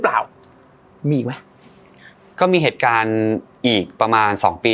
เปล่ามีอีกไหมก็มีเหตุการณ์อีกประมาณสองปี